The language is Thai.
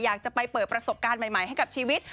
อยากจะไปเปิดประสบการณ์ใหม่ให้กับชีวิต